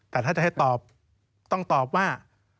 แต่ถ้าจะให้ตอบต้องตอบว่า